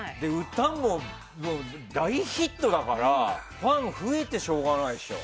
歌も大ヒットだからファン増えてしょうがないでしょ。